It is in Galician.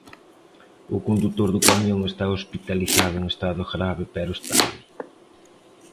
O condutor do camión está hospitalizado en estado grave pero estable.